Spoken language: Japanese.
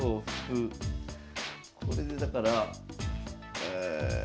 これでだからえ。